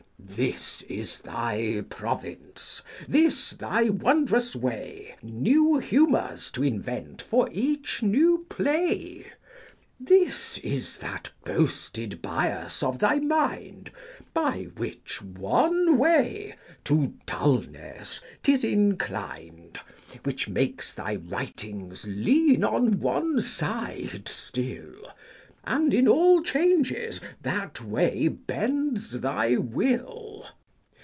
This is thy province, this thy wondrous way, New humours to invent for each new play : This is that boasted bias of thy mind, By which one way to dulness 'tis inclined: 100 Which makes thy writings lean on one side still, And, in all changes, that way bends thy will.